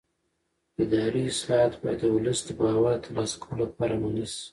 اداري اصلاحات باید د ولس د باور د ترلاسه کولو لپاره عملي شي